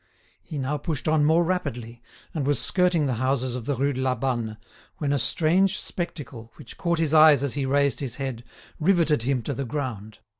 He now pushed on more rapidly, and was skirting the houses of the Rue de la Banne, when a strange spectacle, which caught his eyes as he raised his head, riveted him to the ground.